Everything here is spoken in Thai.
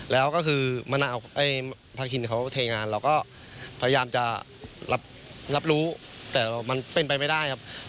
แล้วก็คือพาคินเขาเทงานเราก็พยายามจะรับรู้แต่มันเป็นไปไม่ได้ครับ